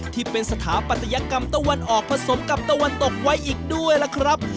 ที่เป็นสถาปัตยกรรมตะวันออกผสมกับตะวันตกไว้อีกด้วยล่ะครับ